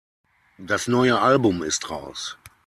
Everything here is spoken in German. Das neue Album ist raus.